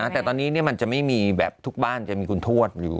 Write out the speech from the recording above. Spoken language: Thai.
แต่ตอนนี้มันจะไม่มีแบบทุกบ้านจะมีคุณทวดอยู่